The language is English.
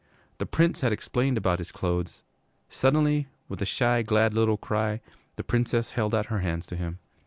The Prince had explained about his clothes. Suddenly, with a shy, glad little cry, the Princess held out her hands to him.